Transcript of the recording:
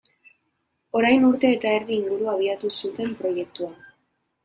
Orain urte eta erdi inguru abiatu zuten proiektua.